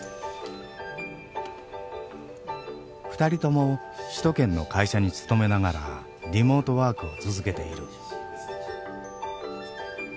２人とも首都圏の会社に勤めながらリモートワークを続けている。